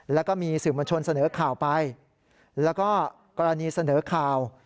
แล้วก็มีสื่อมวลชนเสนอข่าวไปแล้วก็กรณีเสนอข่าว